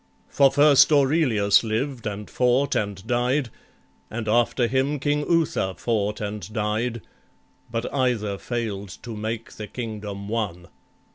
For first Aurelius lived and fought and died, And after him King Uther fought and died, But either fail'd to make the kingdom one.